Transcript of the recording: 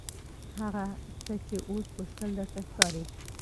هغه څه چې اوس مشکل درته ښکاري.